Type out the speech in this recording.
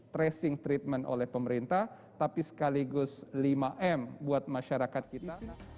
tracing treatment oleh pemerintah tapi sekaligus lima m buat masyarakat kita